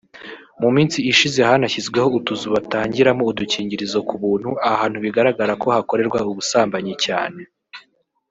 mu minsi ishize hanashyizweho utuzu batangiramo udukingirizo ku buntu ahantu bigaragara ko hakorerwa ubusambanyi cyane